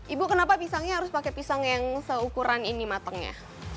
ibu kenapa pisangnya harus pakai pisang yang seukuran ini matangnya